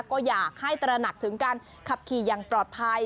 ก็อยากให้ตระหนักถึงการขับขี่อย่างปลอดภัย